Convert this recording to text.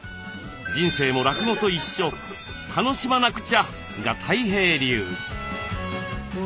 人生も落語と一緒「楽しまなくちゃ」がたい平流。